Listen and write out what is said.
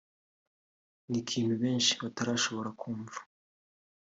ni ikintu benshi batarashobora kumva